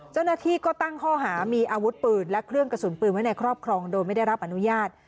เจ้าหน้าที่ก็ตั้งข้อหามีอาวุธปืนและเครื่องกระสุนปืนไว้ในครอบครองโดยไม่ได้รับอนุญาต